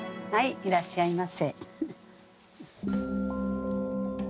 いらっしゃいませ？